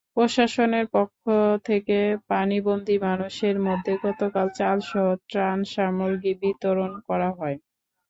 প্রশাসনের পক্ষ থেকে পানিবন্দী মানুষের মধ্যে গতকাল চালসহ ত্রাণসামগ্রী বিতরণ করা হয়।